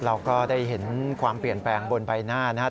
เราก็ได้เห็นความเปลี่ยนแปลงบนใบหน้านะครับ